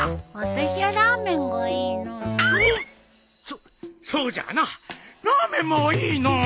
そっそうじゃなラーメンもいいのお。